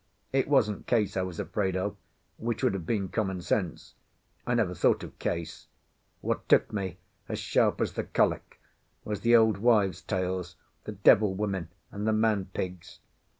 It wasn't Case I was afraid of, which would have been common sense; I never thought of Case; what took me, as sharp as the colic, was the old wives' tales, the devil women and the man pigs.